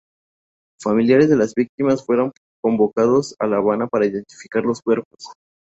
Familiares de las víctimas fueron convocados a La Habana para identificar los cuerpos.